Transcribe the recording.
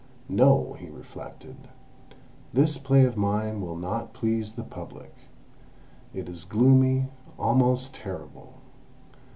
"No," he reflected, "this play of mine will not please the Public; it is gloomy, almost terrible.